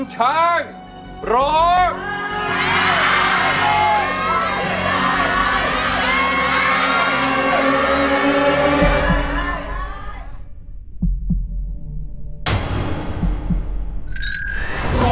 ช่าย